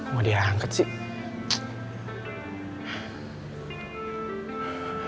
kok dia angkat sih